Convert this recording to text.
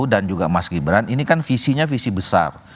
dan juga mas gibran ini kan visinya visi besar